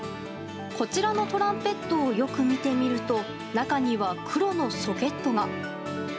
こちらのトランペットをよく見てみると中には黒のソケットが。